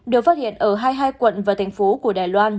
được phát hiện ở hai mươi hai quận và thành phố của đài loan